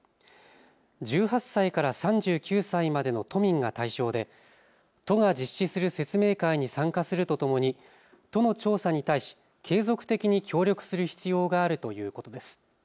１８歳から３９歳までの都民が対象で都が実施する説明会に参加するとともに都の調査に対し継続的に協力する必要があるということです。